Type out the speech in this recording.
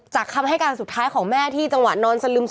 คำให้การสุดท้ายของแม่ที่จังหวะนอนสลึม